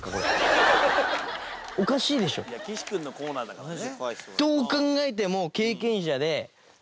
岸君のコーナーだからね。